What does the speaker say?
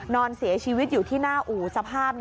นอนเสียชีวิตอยู่ที่หน้าอู่สภาพ